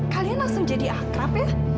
kalian langsung jadi akrab ya